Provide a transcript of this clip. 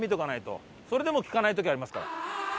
それでも利かない時ありますから。